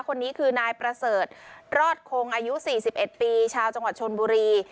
คนนี้คือนายประเสริฐรอดคงอายุ๔๑ปีชาวจังหวัดชนบุรี